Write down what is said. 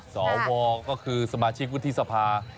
สวก็คือสมาชิกวุฒิสภา